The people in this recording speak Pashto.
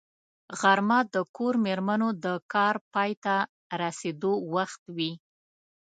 غرمه د کور مېرمنو د کار پای ته رسېدو وخت وي